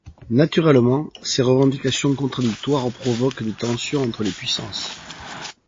Naturellement, ces revendications contradictoires provoquent des tensions entre les puissances.